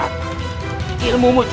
aku akan memberkati